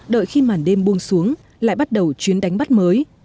đợi khi màn đêm buông xuống lại bắt đầu chuyến đánh bắt mới